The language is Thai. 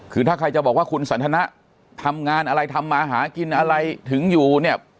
คือถ้าใครจะบอกว่าคุณสาธารณะทำงานอะไรทำอาหารกินอะไรถึงอยู่